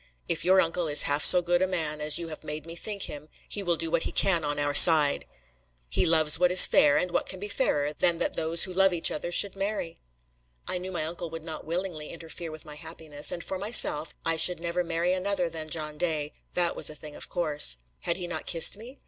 "If your uncle is half so good a man as you have made me think him, he will do what he can on our side. He loves what is fair; and what can be fairer than that those who love each other should marry?" I knew my uncle would not willingly interfere with my happiness, and for myself, I should never marry another than John Day that was a thing of course: had he not kissed me?